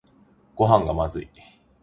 ごはんがまずい